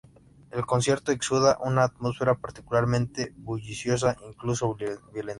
El concierto exuda una atmósfera particularmente bulliciosa, incluso violenta.